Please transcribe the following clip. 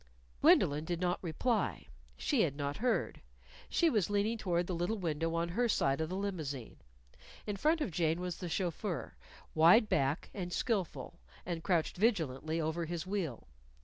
Gwendolyn did not reply. She had not heard. She was leaning toward the little window on her side of the limousine. In front of Jane was the chauffeur, wide backed and skillful, and crouched vigilantly over his wheel.